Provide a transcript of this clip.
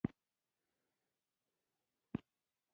سر مې سپږې کړي دي